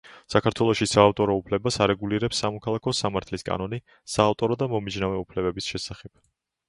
საქართველოში საავტორო უფლებას არეგულირებს სამოქალაქო სამართლის კანონი „საავტორო და მომიჯნავე უფლებების შესახებ“.